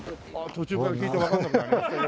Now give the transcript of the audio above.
途中から聞いてわかんなくなりました。